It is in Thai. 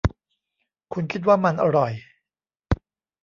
คุณคิดว่ามันอร่อย